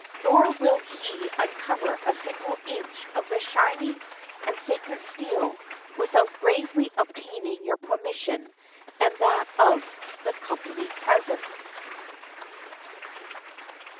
Nor will he imcover a single inch of the shining and sacred steel without gravely obtaining your permission and that of the company present.